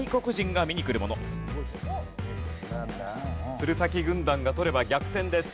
鶴崎軍団が取れば逆転です。